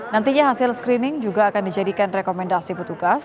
nantinya hasil screening juga akan dijadikan rekomendasi petugas